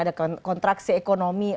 ada kontraksi ekonomi